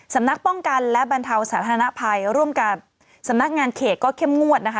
สำนักป้องกันและบรรเทาสาธารณภัยร่วมกับสำนักงานเขตก็เข้มงวดนะคะ